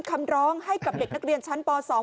คำร้องให้กับเด็กนักเรียนชั้นป๒